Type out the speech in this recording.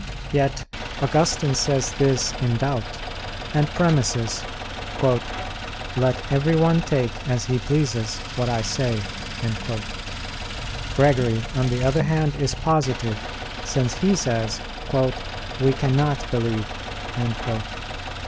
Yet Augustine says this in doubt; and premises, "Let every one take, as he pleases, what I say." Gregory, on the other hand, is positive, since he says, "We cannot believe."